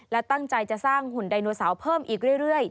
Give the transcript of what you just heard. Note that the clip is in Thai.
และตั้งใจจะสร้างหุ่นไดโนเสาร์เพิ่มอีกเรื่อย